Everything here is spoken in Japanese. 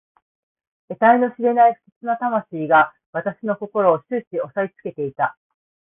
えたいの知れない不吉な魂が私の心を始終おさえつけていた。